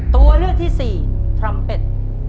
ตัวเลือกที่สี่ทรัมเป็ด